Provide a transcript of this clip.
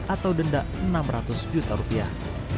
atau denda enam ratus juta rupiah